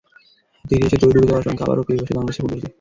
তীরে এসে তরী ডুবে যাওয়ার শঙ্কা আবারও পেয়ে বসে বাংলাদেশের ফুটবলকে।